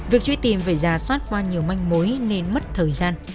việc truy tìm về già soát qua nhiều manh mối nên mất thời gian